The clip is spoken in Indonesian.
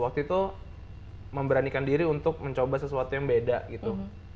waktu itu memberanikan diri untuk mencoba sesuatu yang beda gitu